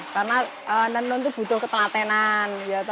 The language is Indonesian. karena nenon itu butuh ketelatenan